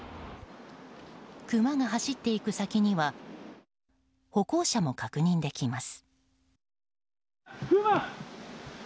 クマが走っていく先には歩行者も確認できます。